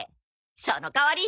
その代わり。